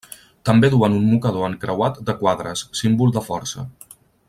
També duen un mocador encreuat de quadres, símbol de força.